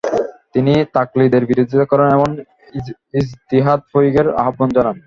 তিনি তাকলিদের বিরোধিতা করেন এবং ইজতিহাদ প্রয়োগের আহ্বান জানান।